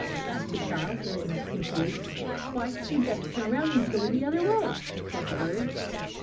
asked the child, very much confused. "Why, you'd better turn round and go the other way," said the Bird.